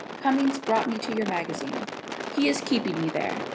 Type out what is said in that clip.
Cummings brought me to your mag. He is keeping me there.